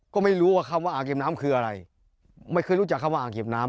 ก็ไม่รู้ว่าคำว่าอ่างเก็บน้ำคืออะไรไม่เคยรู้จักคำว่าอ่างเก็บน้ำ